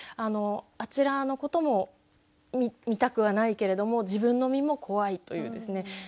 あちらのことも見たくはないけれども自分の身も怖いというですね